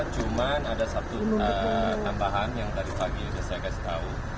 cuman ada satu tambahan yang dari pagi saya kasih tahu